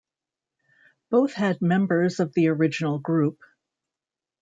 Both had members of the original group.